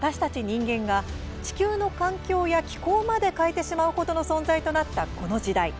人間が、地球の環境や気候まで変えてしまうほどの存在となった、この時代。